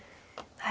はい。